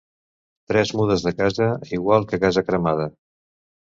Tres mudes de casa, igual que casa cremada.